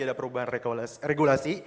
ada perubahan regulasi